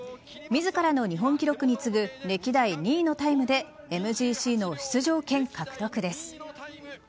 自らの日本記録に次ぐ歴代２位のタイムでＭＧＣの出場権獲得です。